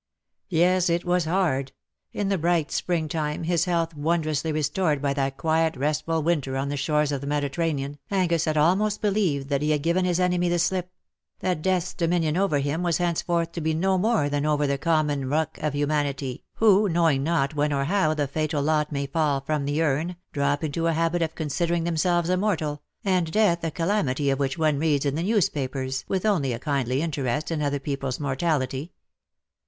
Yes, it was hard. In the bright spring time, his health wondrously restored by that quiet restful winter on the shores of the Mediterranean, Angus had almost believed that he had given his enemy the slip — that Death's dominion over him was henceforth to be no more than over the common ruck of humanity, who, knowing not when or how the fatal lot may fall from the urn, drop into a habit of considering themselves immortal, and death a calamity of which one reads in the newspapers with only a kindly interest in other people's mortality.